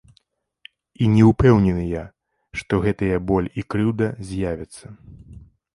І не ўпэўнены я, што гэтыя боль і крыўда з'явяцца.